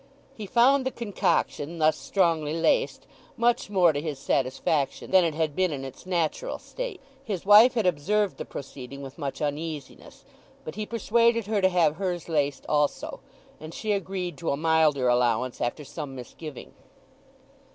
He found the concoction, thus strongly laced, much more to his satisfaction than it had been in its natural state. His wife had observed the proceeding with much uneasiness; but he persuaded her to have hers laced also, and she agreed to a milder allowance after some misgiving.